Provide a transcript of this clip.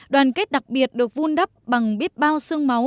đoàn kết đặc biệt được vun đắp bằng biết bao sương máu